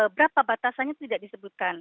berapa batasannya tidak disebutkan